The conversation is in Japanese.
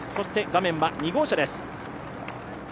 画面は２号車です。